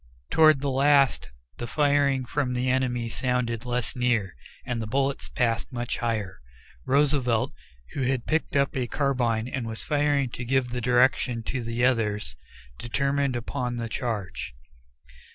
Toward the last, the firing from the enemy sounded less near, and the bullets passed much higher. Roosevelt, who had picked up a carbine and was firing to give the direction to the others, determined upon a charge.